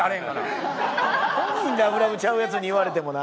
本人ラブラブちゃうヤツに言われてもな。